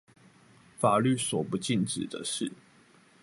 法律所不禁止的事